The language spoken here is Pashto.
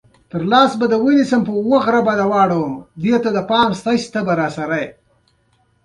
د ماښام نسیم د زړونو زخمونه آراموي.